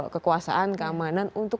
kekuasaan keamanan untuk